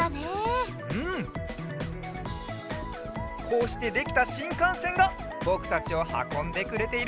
こうしてできたしんかんせんがぼくたちをはこんでくれているんだね。